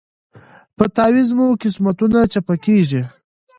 په تعویذ مو قسمتونه چپه کیږي